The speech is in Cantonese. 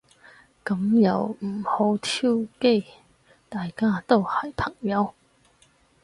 噉又唔好挑機。大家都係朋友